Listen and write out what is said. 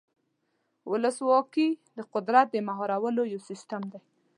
ولسواکي د قدرت د مهارولو یو سیستم دی.